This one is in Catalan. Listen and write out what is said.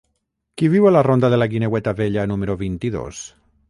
Qui viu a la ronda de la Guineueta Vella número vint-i-dos?